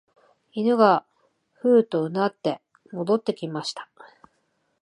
犬がふうと唸って戻ってきました